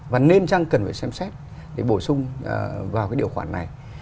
và nên chăng cần phải xem xét để bổ sung vào cái điều khoản này